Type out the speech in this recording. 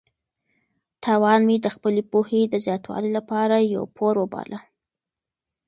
تاوان مې د خپلې پوهې د زیاتوالي لپاره یو پور وباله.